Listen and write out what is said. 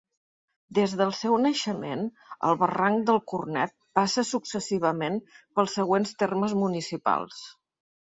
Des del seu naixement, el Barranc del Cornet passa successivament pels següents termes municipals.